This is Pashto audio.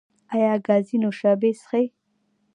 ایا ګازي نوشابې څښئ؟